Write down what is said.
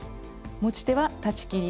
持ち手は裁ち切り。